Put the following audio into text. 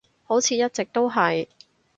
好似一直都係